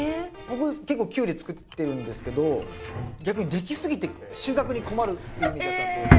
僕結構キュウリ作ってるんですけど逆にできすぎて収穫に困るってイメージあったんですけど。